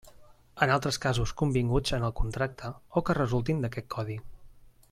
Els altres casos convinguts en el contracte o que resultin d'aquest codi.